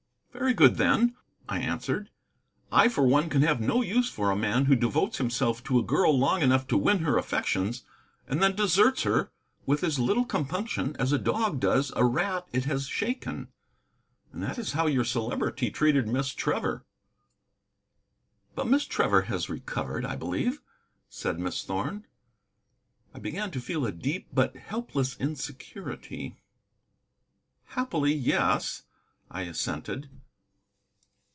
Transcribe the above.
"Very good, then," I answered. "I, for one, can have no use for a man who devotes himself to a girl long enough to win her affections, and then deserts her with as little compunction as a dog does a rat it has shaken. And that is how your Celebrity treated Miss Trevor." "But Miss Trevor has recovered, I believe," said Miss Thorn. I began to feel a deep, but helpless, insecurity. "Happily, yes," I assented.